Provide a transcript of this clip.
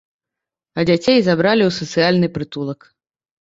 А дзяцей забралі ў сацыяльны прытулак.